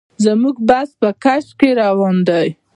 زموږ بس په کش کې روان دی.